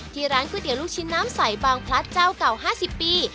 ร้านก๋วยเตี๋ยลูกชิ้นน้ำใสบางพลัดเจ้าเก่า๕๐ปี